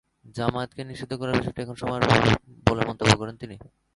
জামায়াতকে নিষিদ্ধ করার বিষয়টি এখন সময়ের ব্যাপার বলে মন্তব্য করেন তিনি।